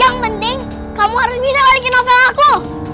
yang penting kamu harus bisa balikin novel aku